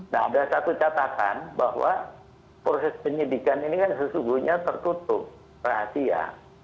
nah ada satu catatan bahwa proses penyidikan ini kan sesungguhnya tertutup rahasia